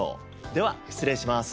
では失礼します。